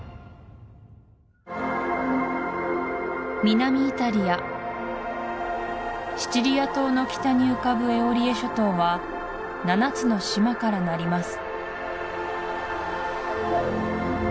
南イタリアシチリア島の北に浮かぶエオリエ諸島は７つの島からなります